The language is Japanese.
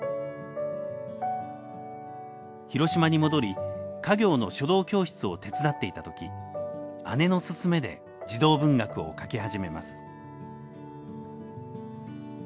広島に戻り家業の書道教室を手伝っていた時姉の勧めで児童文学を書き始めます。